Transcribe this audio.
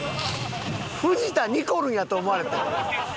藤田ニコルやと思われてる。